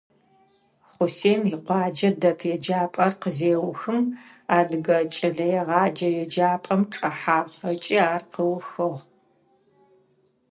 Хъусен икъуаджэ дэт еджапӀэр къызеухым, Адыгэ кӀэлэегъэджэ еджапӀэм чӀэхьагъ ыкӀи ар къыухыгъ.